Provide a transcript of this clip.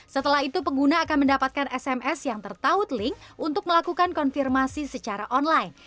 setelah itu pengguna akan mendapatkan sms yang tertaut link untuk melakukan konfirmasi secara online